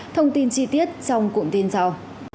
thông tin chi tiết trong cuộn tin sau